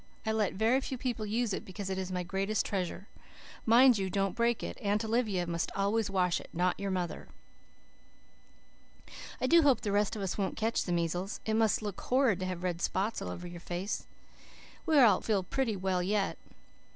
I let very few people use it because it is my greatest treasure. Mind you don't break it. Aunt Olivia must always wash it, not your mother. "I do hope the rest of us won't catch the measles. It must look horrid to have red spots all over your face. We all feel pretty well yet.